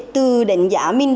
từ đánh giá mình